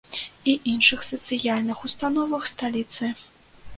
І іншых сацыяльных установах сталіцы.